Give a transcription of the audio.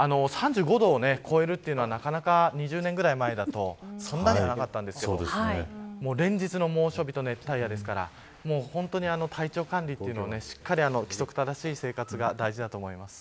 ３５度を超えるというのはなかなか２０年ぐらい前だとそんなに、なかったんですが連日の猛暑日と熱帯夜ですから本当に体調管理をしっかり規則正しい生活が大事だと思います。